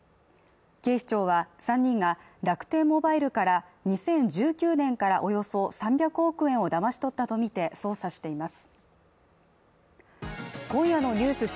警視庁は３人が楽天モバイルから２０１９年からおよそ３００億円をだまし取ったとみて捜査しています。